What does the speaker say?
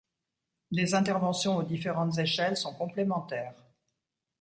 Les interventions aux différentes échelles sont complémentaires.